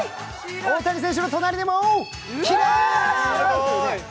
大谷選手の隣でもキラン。